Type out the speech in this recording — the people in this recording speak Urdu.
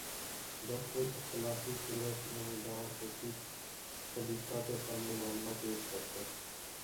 جب کوئی اختلافی صورت نمودار ہوتی، خلیفہ کے سامنے معاملہ پیش کرتے